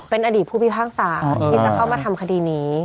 เป็นอดีตผู้พิพากษาที่จะเข้ามาทำคดีนี้